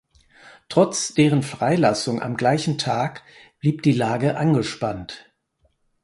Trotz deren Freilassung am gleichen Tag blieb die Lage angespannt.